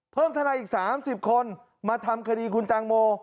เพิ่มธนายอีก๓๐คนมาทำคดีคุณตังโม